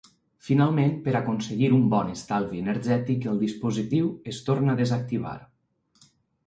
Finalment, per aconseguir un bon estalvi energètic el dispositiu es torna a desactivar.